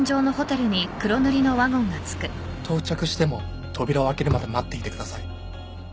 到着しても扉を開けるまで待っていてください。